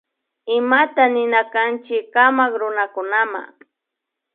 Imata nina kanchi kamak runakunama